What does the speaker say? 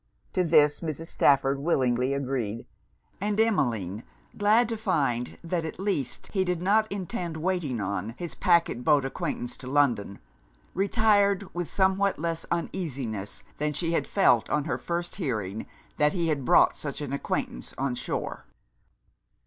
To this Mrs. Stafford willingly agreed; and Emmeline, glad to find that at least he did not intend waiting on his pacquet boat acquaintance to London, retired with somewhat less uneasiness than she had felt on her first hearing that he had brought such an acquaintance on shore.